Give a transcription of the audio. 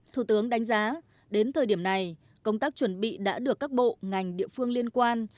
thủ tướng đánh giá đến thời điểm này công tác chuẩn bị đã được các bộ ngành địa phương liên quan